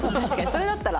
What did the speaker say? それだったら。